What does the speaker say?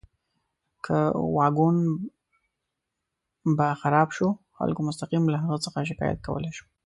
که واګون به خراب شو، خلکو مستقیم له هغه څخه شکایت کولی شو.